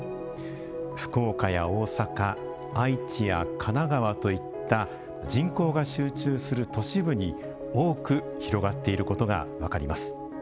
福岡や大阪愛知や神奈川といった人口が集中する都市部に多く広がっていることが分かります。